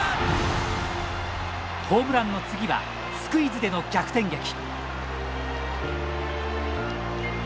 ホームランの次はスクイズでの逆転劇。